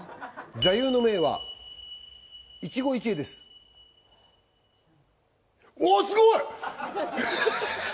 座右の銘は一期一会ですおすごい！